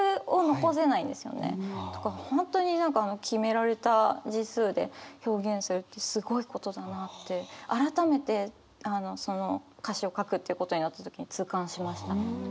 本当に何か決められた字数で表現するってすごいことだなって改めて歌詞を書くっていうことになった時に痛感しました。